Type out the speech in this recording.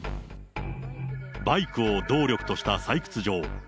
バイクを動力とした採掘場。